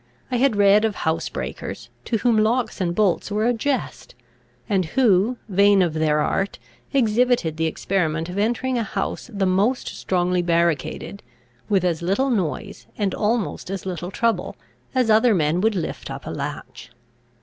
I had read of housebreakers, to whom locks and bolts were a jest, and who, vain of their art, exhibited the experiment of entering a house the most strongly barricaded, with as little noise, and almost as little trouble, as other men would lift up a latch.